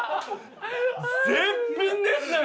絶品ですね！